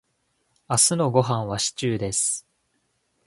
明日のごはんはシチューです。